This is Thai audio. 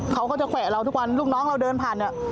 เขาก็จะแขวะเราทุกวันลูกน้องเราเดินผ่านเนี่ย